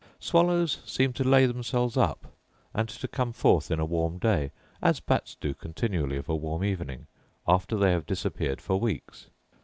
Swallows seem to lay themselves up, and to come forth in a warm day, as bats do continually of a warm evening, after they have disappeared for weeks.